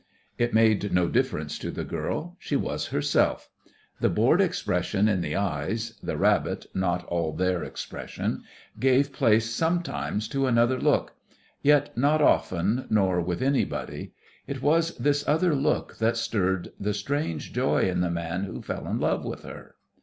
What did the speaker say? It made no difference to the girl; she was herself. The bored expression in the eyes the rabbit, not all there expression gave place sometimes to another look. Yet not often, nor with anybody. It was this other look that stirred the strange joy in the man who fell in love with her.